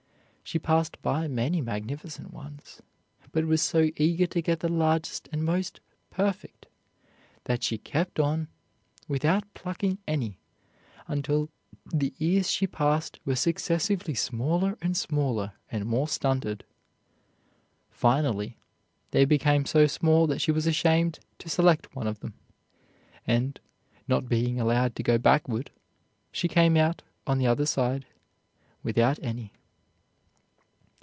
She passed by many magnificent ones, but was so eager to get the largest and most perfect that she kept on without plucking any until the ears she passed were successively smaller and smaller and more stunted. Finally they became so small that she was ashamed to select one of them; and, not being allowed to go backward, she came out on the other side without any.